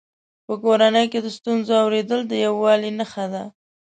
په کورنۍ کې د ستونزو اورېدل د یووالي نښه ده.